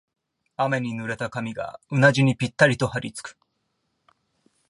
雨に濡れた髪がうなじにぴったりとはりつく